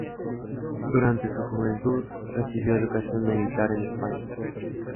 Durante su juventud recibió educación militar en España.